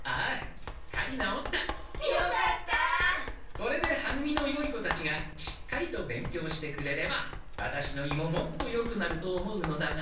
これでは組のよい子たちがしっかりと勉強してくれればワタシの胃ももっとよくなると思うのだが？